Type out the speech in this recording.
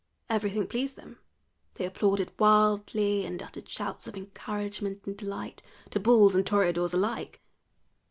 Everything pleased them; they applauded wildly, and uttered shouts of encouragement and delight to bulls and toreadors alike.